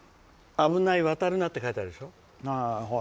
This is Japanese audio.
「あぶないわたるな」って書いてあるでしょ。